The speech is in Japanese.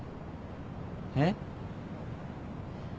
えっ？